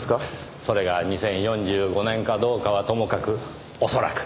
それが２０４５年かどうかはともかく恐らく。